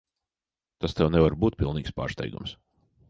Tas tev nevar būt pilnīgs pārsteigums.